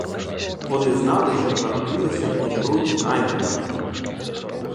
Вони знали, що народились і вмруть наймитами.